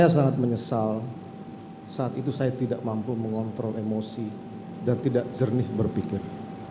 saya tidak mengontrol emosi dan tidak jernih berpikir